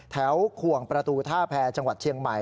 ขวงประตูท่าแพรจังหวัดเชียงใหม่